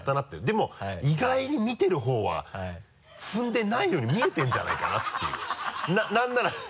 でも意外に見てるほうは踏んでないように見えてるんじゃないかなっていう何なら。